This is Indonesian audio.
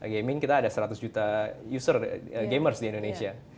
gaming kita ada seratus juta user gamers di indonesia